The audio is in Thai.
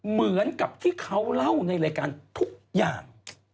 เหมือนกับที่เขาเล่าในรายการทุกอย่าง